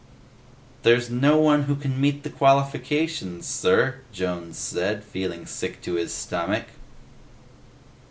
"There's no one who can meet the qualifications, sir," Jones said, feeling sick at his stomach.